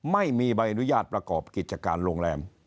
ไม่มีใบอนุญาตประกอบกิจการโรงแรม